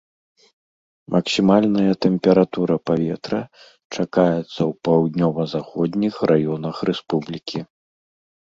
Максімальная тэмпература паветра чакаецца ў паўднёва-заходніх раёнах рэспублікі.